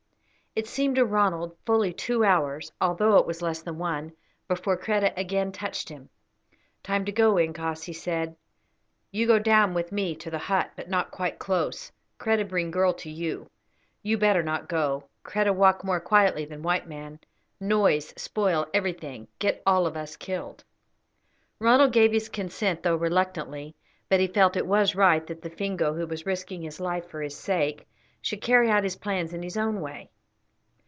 It seemed to Ronald fully two hours, although it was less than one, before Kreta again touched him. "Time to go, incos," he said. "You go down with me to the hut, but not quite close. Kreta bring girl to you. You better not go. Kreta walk more quietly than white man. Noise spoil everything, get all of us killed." Ronald gave his consent, though reluctantly, but he felt it was right that the Fingo, who was risking his life for his sake, should carry out his plans in his own way.